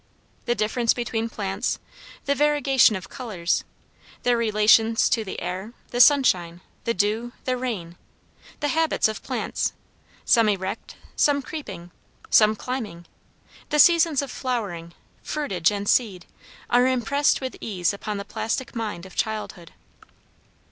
The difference between plants, the variegation of colors, their relations to the air, the sunshine, the dew, the rain; the habits of plants, some erect, some creeping, some climbing, the seasons of flowering, fruitage, and seed, are impressed with ease upon the plastic mind of childhood.